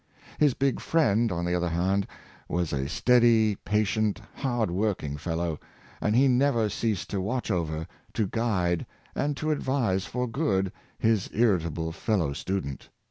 His big friend, on the other hand, was a steady, patient, hard working fellow; and he never ceased to watch over, to guide, and to advise for good his irritable fellow student.